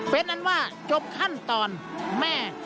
เป็นอันว่าจบขั้นตอนแม่